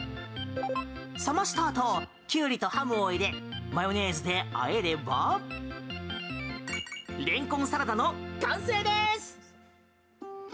冷ましたあとキュウリとハムを入れマヨネーズであえればレンコンサラダの完成です。